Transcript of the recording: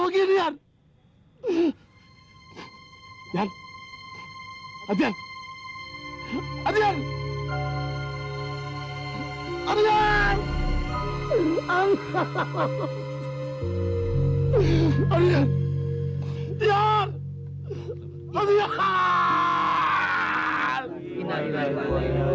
kalian tidak boleh melakukannya